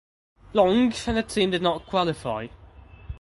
Long and the team did not qualify.